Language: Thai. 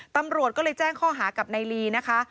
ตำรวจก็เลยแจ้งข้อหากับนายลีนะคะ